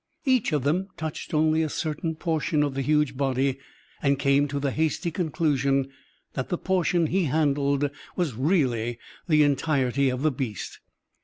Each of them touched only a certain portion of the huge body and came to the hasty conclusion that the portion he handled was really the entirety of the beast.